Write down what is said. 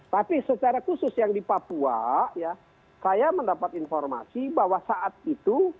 tapi secara khusus yang di papua ya saya mendapat informasi bahwa saat itu